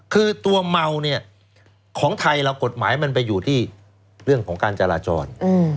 คือตัวเมาเนี่ยของไทยเรากฎหมายมันไปอยู่ที่เรื่องของการจราจร